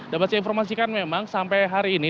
dapat saya informasikan memang sampai hari ini